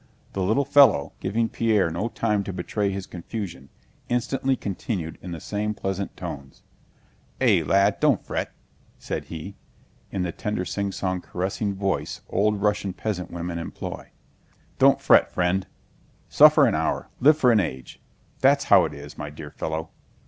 The little fellow, giving Pierre no time to betray his confusion, instantly continued in the same pleasant tones: "Eh, lad, don't fret!" said he, in the tender singsong caressing voice old Russian peasant women employ. "Don't fret, friend—'suffer an hour, live for an age!' that's how it is, my dear fellow.